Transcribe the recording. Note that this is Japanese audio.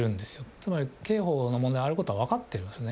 つまり刑法の問題があることは分かってるんですね